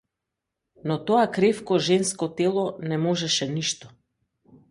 Но тоа кревко женско тело не можеше ништо.